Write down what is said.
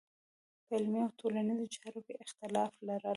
په علمي او ټولنیزو چارو کې اختلاف لرل.